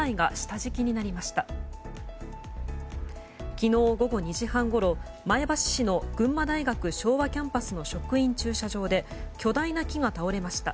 昨日午後２時半ごろ前橋市の群馬大学昭和キャンパスの職員駐車場で巨大な木が倒れました。